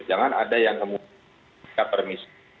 jangan ada yang meminta permisi